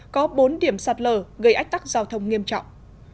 có bốn điểm sạt lở gây ách tắc giao thông nghiêm trọng